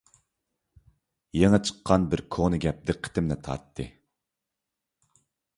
يېڭى چىققان بىر كونا گەپ دىققىتىمنى تارتتى.